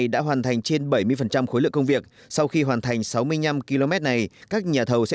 đã hoàn thành trên bảy mươi khối lượng công việc sau khi hoàn thành sáu mươi năm km này các nhà thầu sẽ